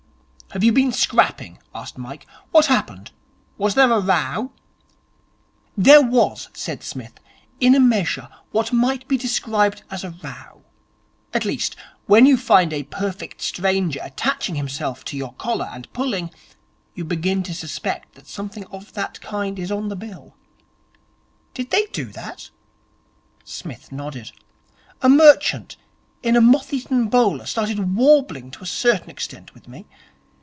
'Have you been scrapping?' asked Mike. 'What happened? Was there a row?' 'There was,' said Psmith, 'in a measure what might be described as a row. At least, when you find a perfect stranger attaching himself to your collar and pulling, you begin to suspect that something of that kind is on the bill.' 'Did they do that?' Psmith nodded. 'A merchant in a moth eaten bowler started warbling to a certain extent with me.